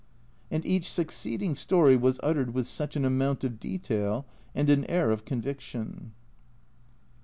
And each succeeding story was uttered with such an amount of detail and an air of conviction